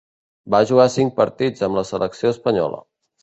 Va jugar cinc partits amb la selecció espanyola.